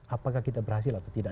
apakah kita berhasil atau tidak